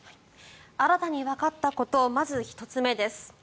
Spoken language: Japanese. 新たにわかったことまず１つ目です。